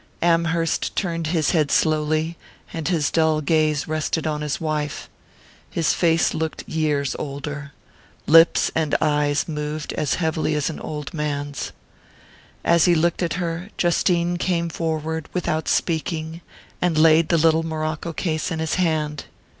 Amherst turned his head slowly, and his dull gaze rested on his wife. His face looked years older lips and eyes moved as heavily as an old man's. As he looked at her, Justine came forward without speaking, and laid the little morocco case in his hand.